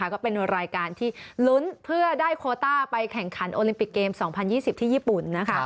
ก็เป็นรายการที่ลุ้นเพื่อได้โคต้าไปแข่งขันโอลิมปิกเกม๒๐๒๐ที่ญี่ปุ่น